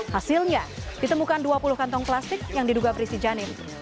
hasilnya ditemukan dua puluh kantong plastik yang diduga berisi janin